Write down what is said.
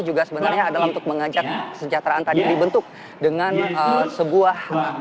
juga sebenarnya adalah untuk mengajak kesejahteraan tadi dibentuk dengan sebuah